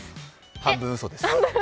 半分うそです。